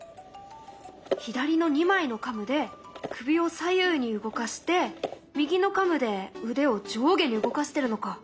左の２枚のカムで首を左右に動かして右のカムで腕を上下に動かしてるのか。